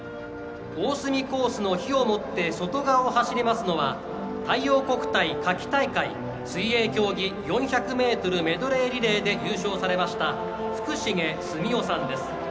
大隈コースの火を持って外側を走りますのは太陽国体夏季大会、水泳競技４００ｍメドレーリレーで優勝されました福重澄雄さんです。